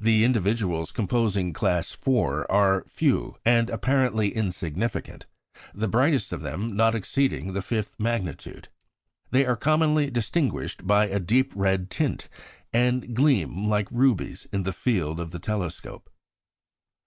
The individuals composing Class IV. are few and apparently insignificant, the brightest of them not exceeding the fifth magnitude. They are commonly distinguished by a deep red tint, and gleam like rubies in the field of the telescope.